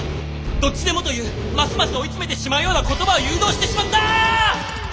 「どっちでも」というますます追い詰めてしまうような言葉を誘導してしまった！